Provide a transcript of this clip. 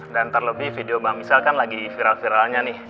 dan terlebih video mbak misel kan lagi viral viralnya nih